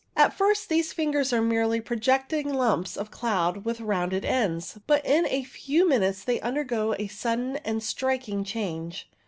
At first, these fingers are merely projecting lumps of cloud with rounded ends, but in a few minutes they undergo a sudden and striking change.